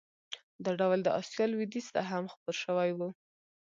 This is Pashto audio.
دا ډول د اسیا لوېدیځ ته هم خپور شوی و.